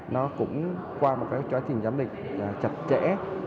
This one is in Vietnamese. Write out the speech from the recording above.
nó cũng qua một cái quá trình giám định chặt chẽ